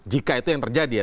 jika itu yang terjadi ya